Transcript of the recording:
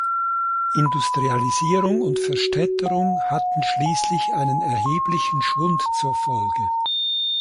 Industrialisierung und Verstädterung hatten schließlich einen erheblichen Schwund zur Folge.